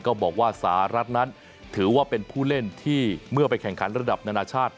บอกว่าสหรัฐนั้นถือว่าเป็นผู้เล่นที่เมื่อไปแข่งขันระดับนานาชาติ